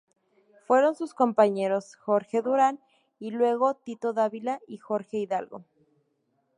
Fueron sus compañeros Jorge Durán y luego Tito Dávila y Jorge Hidalgo.